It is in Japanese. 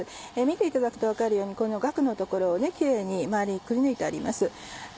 見ていただくと分かるようにこのガクの所をキレイに周りくりぬいてあります。